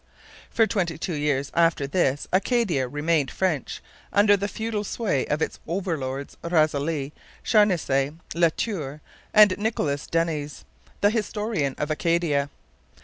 For twenty two years after this Acadia remained French, under the feudal sway of its overlords, Razilly, Charnisay, La Tour, and Nicolas Denys, the historian of Acadia.